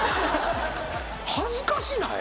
恥ずかしない？